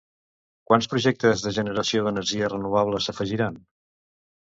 Quants projectes de generació d'energia renovable s'afegiran?